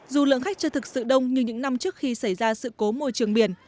dù lượng khách chưa thực sự đông nhưng những năm trước khi xảy ra sự cố môi trường biển